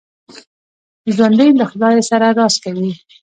ژوندي له خدای سره راز کوي